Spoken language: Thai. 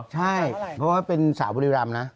ใช่เพราะว่าเป็นสาวบุรีรำนะ